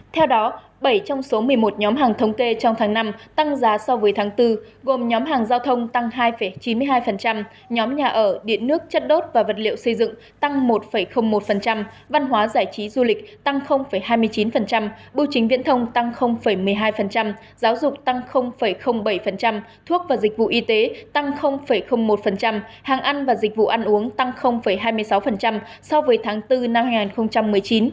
theo đó bảy trong số một mươi một nhóm hàng thống kê trong tháng năm tăng giá so với tháng bốn gồm nhóm hàng giao thông tăng hai chín mươi hai nhóm nhà ở điện nước chất đốt và vật liệu xây dựng tăng một một văn hóa giải trí du lịch tăng hai mươi chín bộ chính viễn thông tăng một mươi hai giáo dục tăng bảy thuốc và dịch vụ y tế tăng một hàng ăn và dịch vụ ăn uống tăng hai mươi sáu so với tháng bốn năm hai nghìn một mươi chín